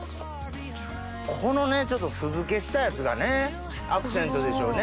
この酢漬けしたやつがアクセントでしょうね。